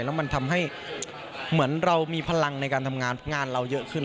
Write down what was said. แล้วมันทำให้เหมือนเรามีพลังในการทำงานงานเราเยอะขึ้น